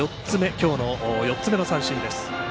今日の４つ目の三振です。